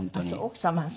奥様が。